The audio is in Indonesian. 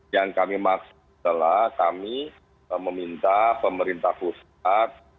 yang kami maksud adalah kami meminta pemerintah pusat